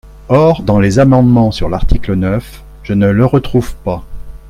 Or dans les amendements sur l’article neuf, je ne le retrouve pas.